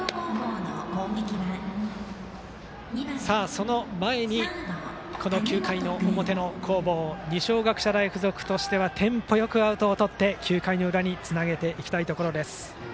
その前に、この９回の表の攻防二松学舎大付属としてはテンポよくアウトをとって９回裏につなげたいところ。